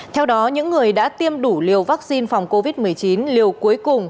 theo đó những người đã tiêm đủ liều vaccine phòng covid một mươi chín liều cuối cùng